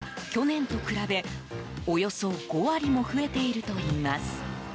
この店では、去年と比べおよそ５割も増えているといいます。